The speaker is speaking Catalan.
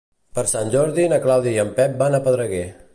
Per Sant Jordi na Clàudia i en Pep van a Pedreguer.